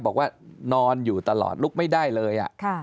บอกว่านอนอยู่ตลอดลุกไม่ได้เลย